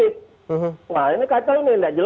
jelas sudah itu